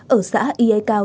ở xã yê cao